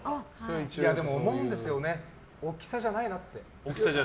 でも思うんですよね大きさじゃないなって。